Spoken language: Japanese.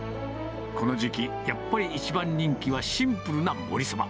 この時期、やっぱり一番人気はシンプルなもりそば。